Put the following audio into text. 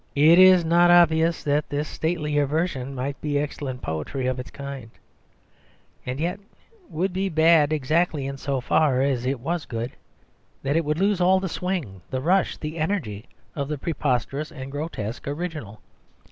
Is it not obvious that this statelier version might be excellent poetry of its kind, and yet would be bad exactly in so far as it was good; that it would lose all the swing, the rush, the energy of the preposterous and grotesque original?